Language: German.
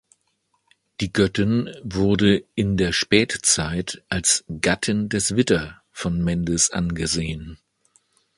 Die Göttin wurde in der Spätzeit als Gattin des Widder von Mendes angesehen.